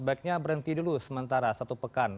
sebaiknya berhenti dulu sementara satu pekan